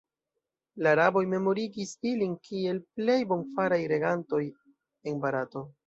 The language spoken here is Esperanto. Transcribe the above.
La araboj memorigis ilin kiel plej bonfaraj regantoj en Barato.